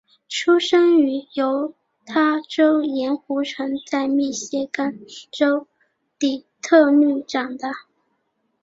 出生于犹他州盐湖城在密歇根州底特律长大。